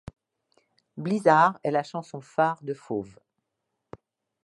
Blizzard est la chanson phare de Fauve.